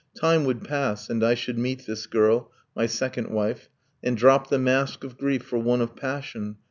Time would pass, And I should meet this girl, my second wife And drop the masque of grief for one of passion.